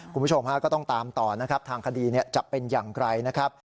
คุณผู้ชมฮะก็ต้องตามต่อนะครับทางคดีจะเป็นอย่างไรนะครับ